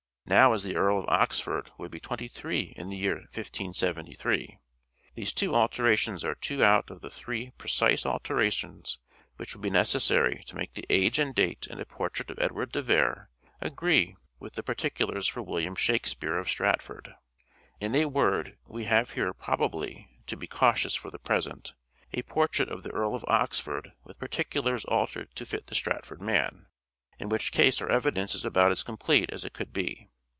Now as the Earl of Oxford would be twenty three in the year 1573 these two alterations are two out of the three precise alterations which would be necessary to make the age and date in a portrait of Edward de Vere agree with the particulars for William Shakspere of Stratford. In a word we have here probably (to be cautious for the present) a portrait of the Earl of Oxford with particulars altered to fit the Stratford man : in which case our evidence is about as complete as it could be.